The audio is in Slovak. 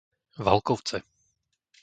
Valkovce